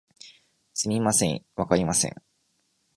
すみません、わかりません